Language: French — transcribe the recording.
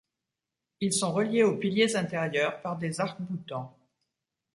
Ils sont reliés aux piliers intérieurs par des arcs boutants.